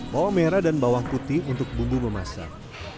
bawang merah dan bawang putih untuk bumbu memasak